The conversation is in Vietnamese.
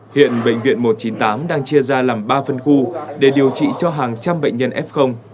hiện bệnh viện một trăm chín mươi tám đang chia ra làm ba phân khu để điều trị cho hàng trăm bệnh nhân f